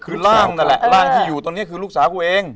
ถามหล้างนั่นแหละล๊างที่อยู่ตรงนี้คือลูกสาวกูเอง